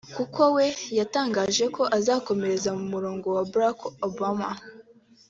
kuko we yatangaje ko azakomereza mu murongo wa Barack Obama